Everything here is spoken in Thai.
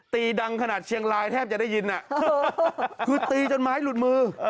ตีดังขนาดเชียงรายแทบจะได้ยินคือตีจนไม้หลุดมือ